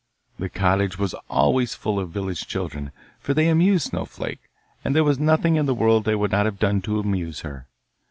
The cottage was always full of village children, for they amused Snowflake, and there was nothing in the world they would not have done to amuse her.